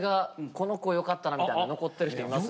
「この子よかったな」みたいなの残ってる人います？